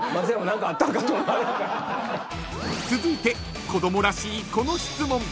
［続いて子供らしいこの質問］